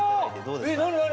えっ何何？